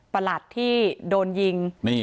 ประหลัดที่โดนยิง